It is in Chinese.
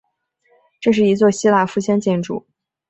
这是一座希腊复兴建筑。